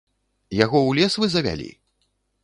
Яго ў лес вы завялі?